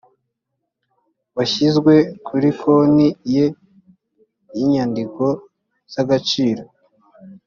washyizwe kuri konti ye y inyandiko z agaciro